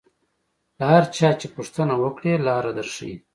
له هر چا چې پوښتنه وکړې لاره در ښیي.